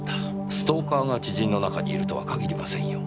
ストーカーが知人の中にいるとは限りませんよ。